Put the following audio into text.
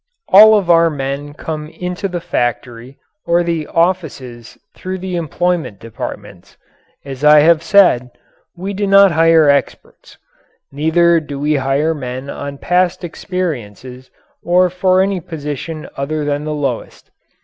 All of our people come into the factory or the offices through the employment departments. As I have said, we do not hire experts neither do we hire men on past experiences or for any position other than the lowest.